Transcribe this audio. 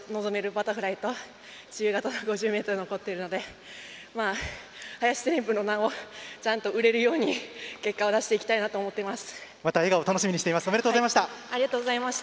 バタフライと自由形の５０ｍが残っているので林テレンプの名を売れるように結果を出していきたいなと思います。